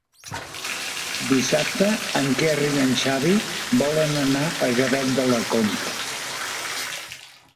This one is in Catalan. Dissabte en Quer i en Xavi volen anar a Gavet de la Conca.